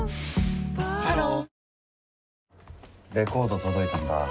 ハローレコード届いたんだ